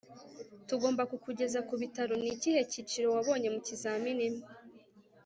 tugomba kukugeza ku bitaro. ni ikihe cyiciro wabonye mu kizamini